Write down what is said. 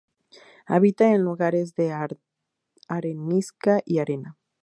Habita en lugares de arenisca y arena.